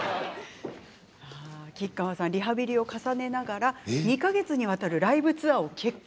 吉川さんはリハビリを重ねながら２か月にわたるライブツアーを決行。